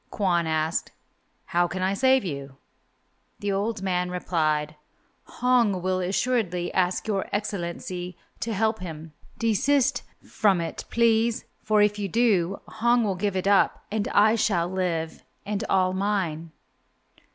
Kwon asked, "How can I save you?" The old man replied, "Hong will assuredly ask Your Excellency to help him. Desist from it, please, for if you do, Hong will give it up and I shall live and all mine."